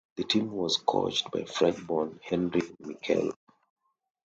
The team was coached by French-born Henri Michel.